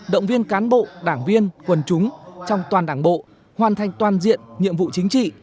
động viên cán bộ đảng viên quần chúng trong toàn đảng bộ hoàn thành toàn diện nhiệm vụ chính trị